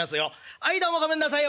はいどうもごめんなさいよ。